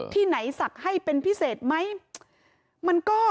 ที่ไหนศักดิ์ให้เป็นพิเศษไหม